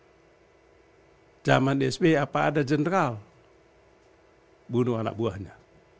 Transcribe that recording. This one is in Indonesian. di zaman sbi apa ada jenderal bunuh anak buahnya